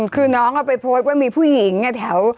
คือน้องเอาไปโพสต์ว่ามีผู้หญิงแถว